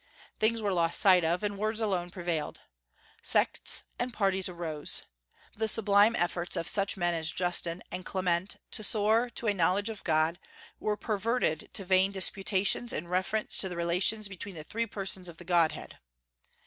Things were lost sight of, and words alone prevailed. Sects and parties arose. The sublime efforts of such men as Justin and Clement to soar to a knowledge of God were perverted to vain disputations in reference to the relations between the three persons of the Godhead.